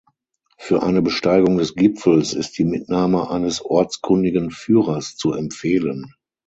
Für eine Besteigung des Gipfels ist die Mitnahme eines ortskundigen Führers zu empfehlen.